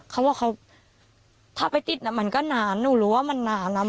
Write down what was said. เขาบอกเขาถ้าไปติดมันก็นานหนูรู้ว่ามันนานนะ